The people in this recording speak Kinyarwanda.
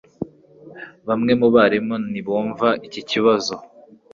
Bamwe mu barimu ntibumva iki kibazo. (gleki)